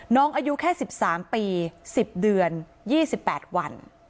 น้องอายุแค่๑๓ปี๑๐เดือน๒๘วัน